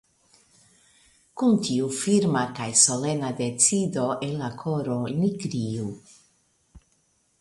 Kun tiu firma kaj solena decido en la koro ni kriu.